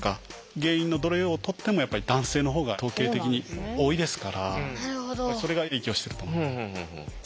原因のどれをとっても男性の方が統計的に多いですからそれが影響してると思います。